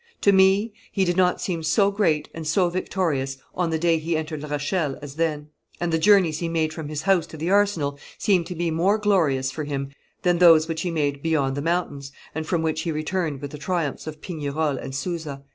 To me he did not seem so great and so victorious on the day he entered La Rochelle as then; and the journeys he made from his house to the arsenal seem to me more glorious for him than those which he made beyond the mountains, and from which he returned with the triumphs of Pignerol and Suza."